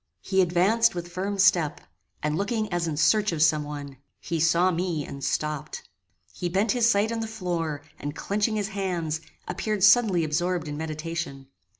He advanced with firm step, and looking as in search of some one. He saw me and stopped. He bent his sight on the floor, and clenching his hands, appeared suddenly absorbed in meditation.